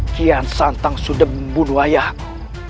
kian santang sudah membunuh ayahku